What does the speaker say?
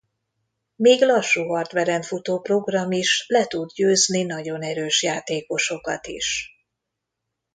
Még lassú hardveren futó program is le tud győzni nagyon erős játékosokat is.